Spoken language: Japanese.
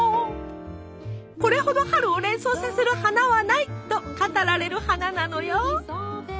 これほど春を連想させる花はないと語られる花なのよ。